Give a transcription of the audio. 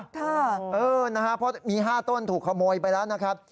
เพราะมี๕ต้นถูกขโมยไปแล้วนะครับ